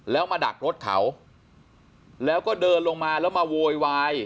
แล้วมาดักรถเขาแล้วก็เดินลงมาแล้วมาโวยวาย